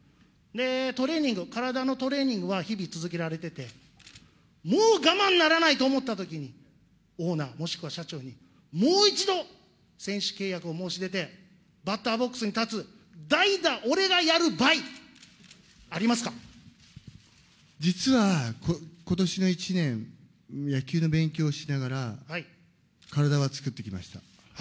トレーニング、体のトレーニングは日々続けられてて、もう我慢ならないと思ったときに、オーナー、もしくは社長にもう一度、選手契約を申し出て、バッターボックスに立つ、代打俺がやるばい、実はことしの１年、野球の勉強をしながら、体は作ってきました。